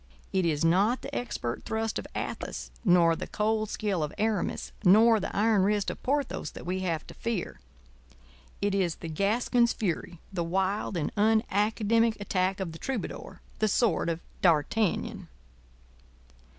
It is not the expert thrust of Athos nor the cold skill of Aramis nor the iron wrist of Porthos that we have to fear—it is the Gascon's fury—the wild and unacademic attack of the troubadour—the sword of D'Artagnan.